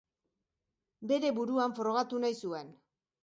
Bere buruan frogatu nahi zuen.